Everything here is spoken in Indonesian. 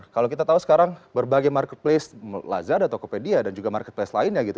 kalau kita tahu sekarang berbagai marketplace lazada tokopedia dan juga marketplace lainnya gitu